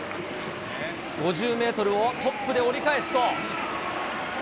５０メートルをトップで折り返すと。